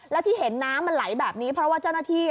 และที่เห็นน้ำมันไหลแบบนี้เพราะว่าเจ้าหน้าที่